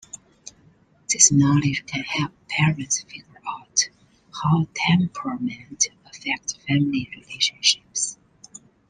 This knowledge can help parents figure out how temperaments affect family relationships.